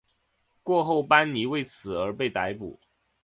过后班尼为此而被逮捕。